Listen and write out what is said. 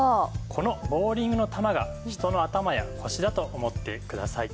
このボウリングの球が人の頭や腰だと思ってください。